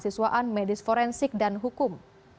siswaan medis forensik dan hukum